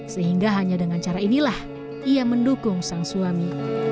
sehingga hanya dengan cara inilah ia mendukung sang suami